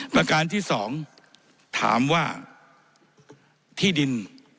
ประการที่๒ถามว่าที่ดิน